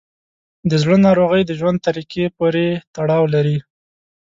د زړه ناروغۍ د ژوند طریقه پورې تړاو لري.